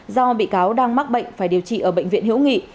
do bị cáo đang mắc bệnh phải điều trị ở bệnh viện hữu nghị